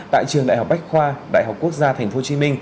tại trường đại học bách khoa đại học quốc gia tp hcm